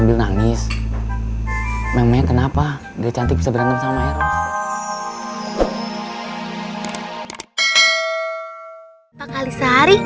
memangnya kenapa dia cantik bisa berangkat sama heros